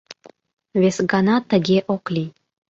Вес гана тыге ок лий...